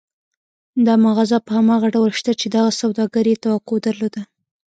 دا مغازه په هماغه ډول شته چې دغه سوداګر يې توقع درلوده.